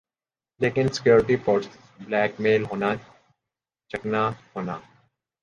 لیکن security force blackmail ہونا چکنا ہونا